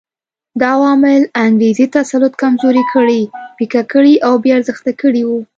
دا عوامل انګریزي تسلط کمزوري کړي، پیکه کړي او بې ارزښته کړي وو.